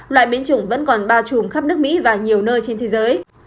loại biến chủng vẫn còn bao trùm khắp nước mỹ và nhiều nơi trên thế giới